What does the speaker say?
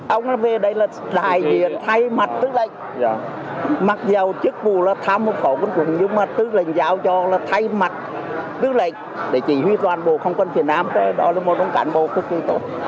ông về đây là đại diện thay mặt tư lệnh mặc dù chức vụ là thăm một khẩu quân quân nhưng mà tư lệnh giao cho là thay mặt tư lệnh để chỉ huy toàn bộ không quân phía nam đó là một tấm cán bộ cực kỳ tốt